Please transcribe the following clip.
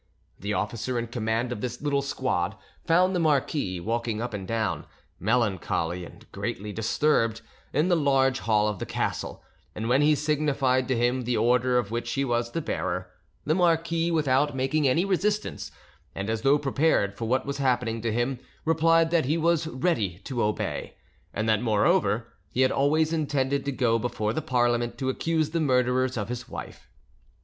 The officer in command of this little squad found the marquis walking up and down, melancholy and greatly disturbed, in the large hall of the castle, and when he signified to him the order of which he was the bearer, the marquis, without making any resistance, and as though prepared for what was happening to him, replied that he was ready to obey, and that moreover he had always intended to go before the Parliament to accuse the murderers of his wife.